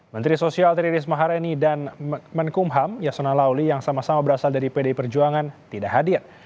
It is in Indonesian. menteri sosial tri risma harini dan menkumham yasona lauli yang sama sama berasal dari pdi perjuangan tidak hadir